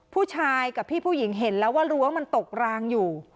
ผู้ชายกับพี่ผู้หญิงเห็นแล้วว่ารั้วมันตกรางอยู่